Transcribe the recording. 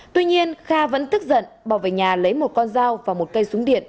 tuy nhiên kha vẫn tức giận bảo vệ nhà lấy một con dao và một cây súng điện